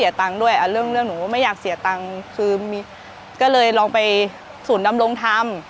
ตังค์ด้วยเรื่องเรื่องหนูก็ไม่อยากเสียตังค์คือมีก็เลยลองไปศูนย์ดำรงธรรม